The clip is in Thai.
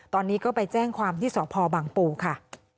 ตอนนี้ก็ไปแจ้งความที่สพบังปูค่ะ